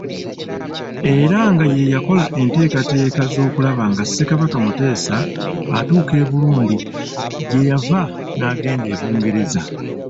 Era nga ye yakola enteekateeka z’okulaba nga Ssekabaka Muteesa atuuka e Burundi, gye yava n'agenda e Bungereza.